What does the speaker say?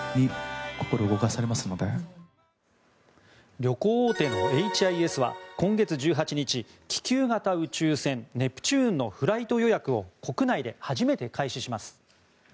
旅行大手のエイチ・アイ・エスは今月１８日、気球型宇宙船「ネプチューン」のフライト予約を国内で初めて開始します。